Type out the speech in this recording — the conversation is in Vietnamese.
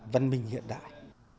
văn minh hiện đại